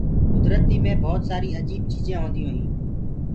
ڪُدرتي مي ڀوت سآري اجيب چيجينٚ هونديونٚ هينٚ۔